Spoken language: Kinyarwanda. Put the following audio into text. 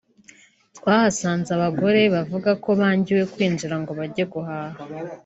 twahasanze abagore bavuga ko bangiwe kwinjira ngo bajye guhaha